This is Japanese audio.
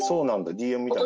ＤＭみたいな？